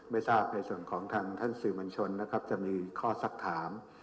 ไม่ทราบในส่วนของทางท่านสื่อมวลชนนะครับจะมีข้อสักถาม